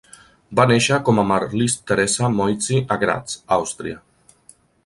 Va néixer com a Marlies Theresa Moitzi a Graz, Àustria.